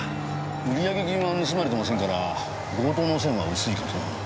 売上金は盗まれてませんから強盗の線は薄いかと。